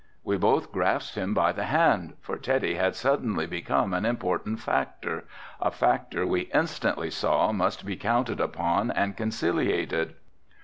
We both grasped him by the hand, for Teddy had suddenly become an important factor, a factor we instantly saw must be counted upon and conciliated.